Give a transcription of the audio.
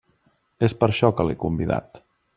És per això que l'he convidat.